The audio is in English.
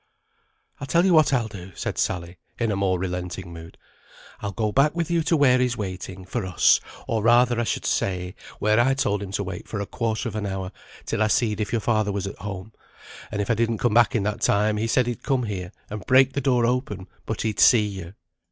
"I'll tell you what I'll do," said Sally, in a more relenting mood, "I'll go back with you to where he's waiting for us; or rather, I should say, where I told him to wait for a quarter of an hour, till I seed if your father was at home; and if I didn't come back in that time, he said he'd come here, and break the door open but he'd see you."